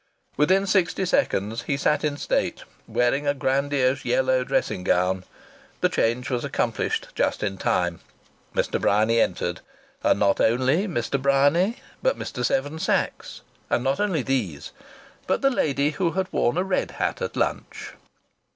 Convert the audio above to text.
Within sixty seconds he sat in state, wearing a grandiose yellow dressing gown. The change was accomplished just in time. Mr.. Bryany entered, and not only Mr.. Bryany but Mr.. Seven Sachs, and not only these, but the lady who had worn a red hat at lunch.